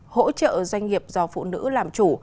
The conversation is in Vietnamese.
hỗ trợ doanh nghiệp do phụ nữ làm chủ